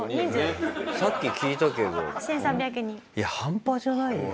いや半端じゃないよ。